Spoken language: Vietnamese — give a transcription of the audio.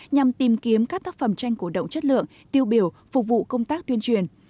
nhằm tìm kiếm các tác phẩm tranh cổ động chất lượng tiêu biểu phục vụ công tác tuyên truyền